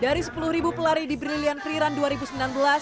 dari sepuluh ribu pelari di brilian freerun dua ribu sembilan belas